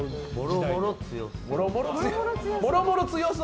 もろもろ強そう。